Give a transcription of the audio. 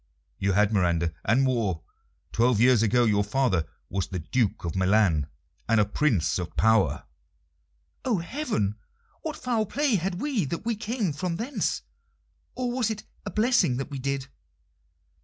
"You had, Miranda, and more. Twelve years ago your father was the Duke of Milan, and a Prince of power." "Oh, heaven! what foul play had we that we came from thence? Or was it a blessing that we did?"